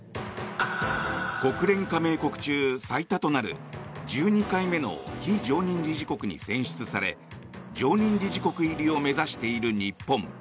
国連加盟国中、最多となる１２回目の非常任理事国に選出され常任理事国入りを目指している日本。